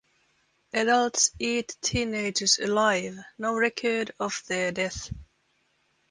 Adults Eat Teenagers Alive, No Record Of Their Death.